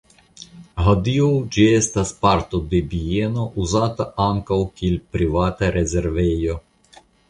Hodiaŭ ĝi estas parto de bieno uzata ankaŭ kiel privata rezervejo.